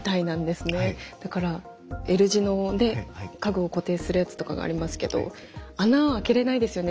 だからＬ字ので家具を固定するやつとかがありますけど穴を開けれないですよね